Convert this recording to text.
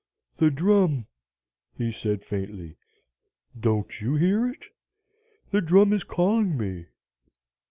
'The drum,' he said faintly; 'don't you hear it? The drum is calling me.'